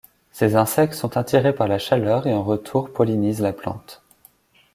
Ces insectes sont attirés par la chaleur et en retour pollinisent la plante.